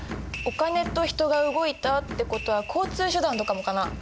お金と人が動いたってことは交通手段とかもかな。